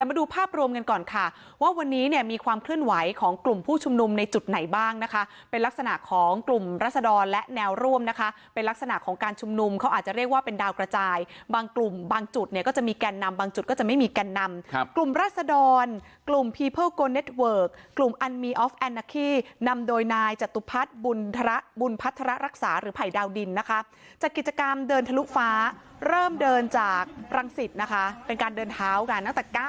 มาดูภาพรวมกันก่อนค่ะว่าวันนี้เนี่ยมีความเคลื่อนไหวของกลุ่มผู้ชุมนุมในจุดไหนบ้างนะคะเป็นลักษณะของกลุ่มรัฐศดรและแนวร่วมนะคะเป็นลักษณะของการชุมนุมเขาอาจจะเรียกว่าเป็นดาวกระจายบางกลุ่มบางจุดเนี่ยก็จะมีแกนนำบางจุดก็จะไม่มีแกนนำครับกลุ่มรัฐศดรกลุ่มพีเพิลโกเน็ตเวิร